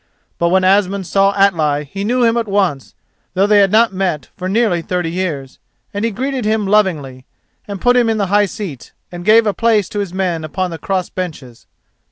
But when Asmund saw Atli he knew him at once, though they had not met for nearly thirty years, and he greeted him lovingly, and put him in the high seat, and gave place to his men upon the cross benches.